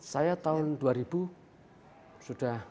saya tahun dua ribu sudah